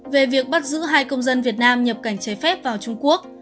về việc bắt giữ hai công dân việt nam nhập cảnh trái phép vào trung quốc